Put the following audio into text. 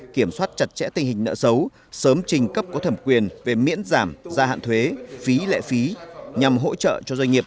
kiểm soát chặt chẽ tình hình nợ xấu sớm trình cấp có thẩm quyền về miễn giảm gia hạn thuế phí lệ phí nhằm hỗ trợ cho doanh nghiệp